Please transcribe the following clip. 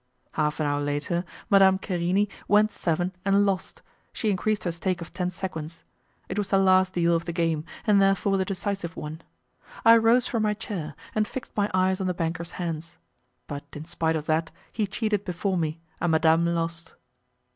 Half an hour later, Madame Querini went seven and lost, she increased her stake of ten sequins; it was the last deal of the game, and therefore the decisive one. I rose from my chair, and fixed my eyes on the banker's hands. But in spite of that, he cheated before me, and Madame lost.